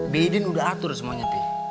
bidin udah atur semuanya p